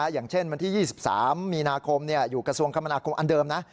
อย่างเช่นวันที่๒๓มีนาคมอยู่กระทรวงคมนาคมอันเดิมนะ